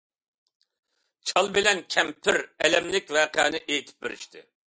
چال بىلەن كەمپىر ئەلەملىك ۋەقەنى ئېيتىپ بېرىشتى.